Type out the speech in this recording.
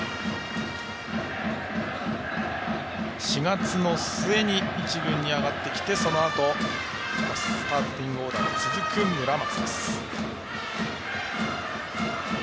４月末に１軍に上がってきてそのあとスターティングオーダーが続く村松。